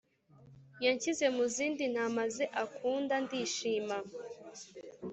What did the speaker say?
yanshyize mu zindi ntama ze akunda ndishima